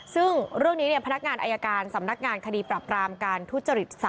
ซึ่งเรื่องนี้พนักงานอายการสำนักงานคดีปรับรามการทุจริต๓